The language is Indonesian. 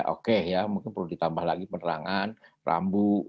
oke ya mungkin perlu ditambah lagi penerangan rambu